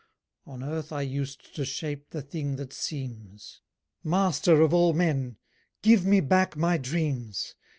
"On Earth I used to shape the Thing that seems. Master of all men, give me back my dreams.